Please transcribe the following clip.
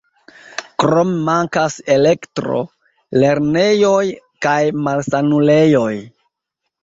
Krome mankas elektro, lernejoj kaj malsanulejoj.